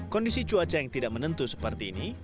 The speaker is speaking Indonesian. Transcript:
kondisi cuaca yang tidak menentu seperti ini